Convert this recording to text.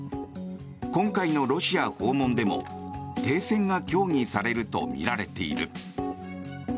今回のロシア訪問でも停戦が協議されるとみられている。